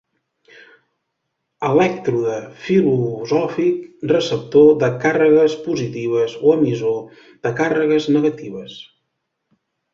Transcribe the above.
Elèctrode filosòfic receptor de càrregues positives o emissor de càrregues negatives.